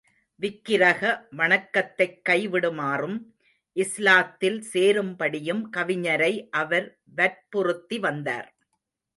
விக்கிரக வணக்கத்தைக் கை விடுமாறும், இஸ்லாத்தில் சேரும்படியும் கவிஞரை அவர் வற்புறுத்தி வந்தார்.